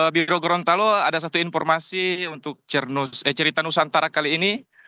biro gorontalo ada satu informasi untuk cerita nusantara kali ini